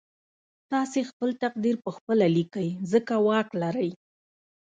تاسې خپل تقدير پخپله ليکئ ځکه واک لرئ.